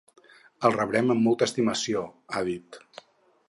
El rebrem amb molta estimació, ha dit.